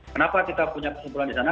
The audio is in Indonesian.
kenapa kita punya kesimpulan di sana